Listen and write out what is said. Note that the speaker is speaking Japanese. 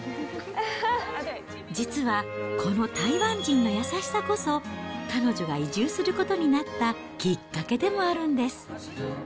実は、この台湾人の優しさこそ、彼女が移住することになったきっかけでもあるんです。